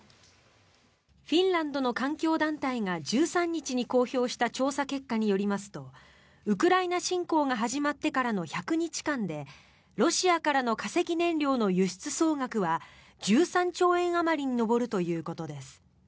フィンランドの環境団体が１３日に公表した調査結果によりますとウクライナ侵攻が始まってからの１００日間でロシアからの化石燃料の輸出総額は１３兆円あまりに上るということです。